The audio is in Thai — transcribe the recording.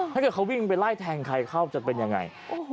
ถ้าเขาวิ่งไปไล่แทงใครเข้าจะเป็นอย่างไร